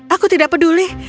aku tidak peduli